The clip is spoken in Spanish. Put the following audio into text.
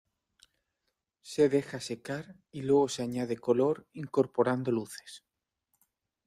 Se deja secar y luego se añade color incorporando luces.